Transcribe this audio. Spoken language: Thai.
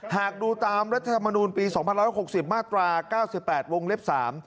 หากดูตามรัฐมนุนปี๒๑๖๐มาตรา๙๘วงเล็บ๓